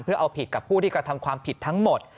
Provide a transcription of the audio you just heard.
เพื่อเอาผิดกับผู้ที่กระทำความผิดทั้งหมด